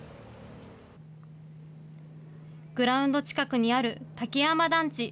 グラウンド近くにある竹山団地。